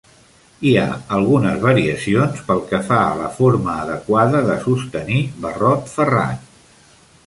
Hi ha algunes variacions pel que fa a la forma adequada de sostenir barrot ferrat.